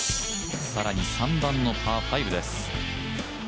更に３番のパー５です。